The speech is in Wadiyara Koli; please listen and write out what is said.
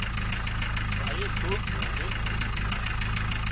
ٻايون کوٻ رمي سي